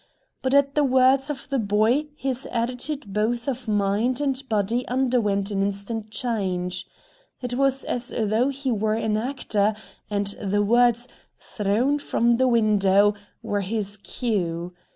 But at the words of the boy his attitude both of mind and body underwent an instant change. It was as though he were an actor, and the words "thrown from the window" were his cue.